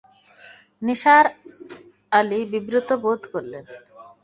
নিসার আলি বিব্রত বোধ করলেন।